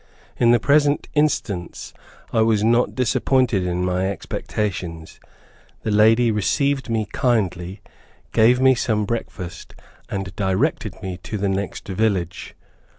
In the present instance I was not disappointed in my expectations. The lady received me kindly, gave me some breakfast, and directed me to the next village.